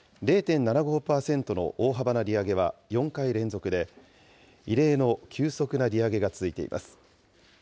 ０．７５％の大幅な利上げは４回連続で、異例の急速な利上げが続いています。